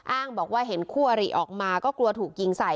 อ้างบอกว่าเห็นคู่อริออกมาก็กลัวถูกยิงใส่